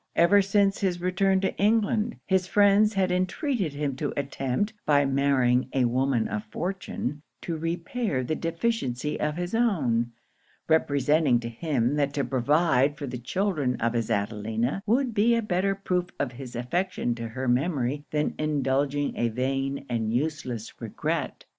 Ever since his return to England, his friends had entreated him to attempt, by marrying a woman of fortune, to repair the deficiency of his own; representing to him, that to provide for the children of his Adelina, would be a better proof of his affection to her memory than indulging a vain and useless regret.